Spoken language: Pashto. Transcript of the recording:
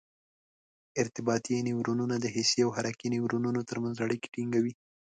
ارتباطي نیورونونه د حسي او حرکي نیورونونو تر منځ اړیکه ټینګوي.